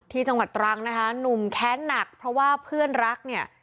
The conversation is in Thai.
จังหวัดตรังนะคะหนุ่มแค้นหนักเพราะว่าเพื่อนรักเนี่ย